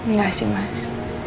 nggak sih mas